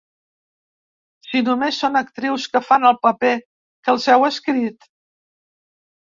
Si només són actrius que fan el paper que els heu escrit!